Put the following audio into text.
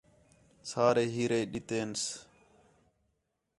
سارے ہیرے ݙِتے سن